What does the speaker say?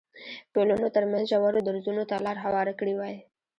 ټولنو ترمنځ ژورو درزونو ته لار هواره کړې وای.